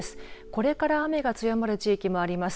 これから雨が強まる地域もあります。